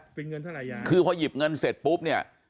เป็นเงินเท่าไหร่อย่างคือพอหยิบเงินเสร็จปุ๊บเนี่ย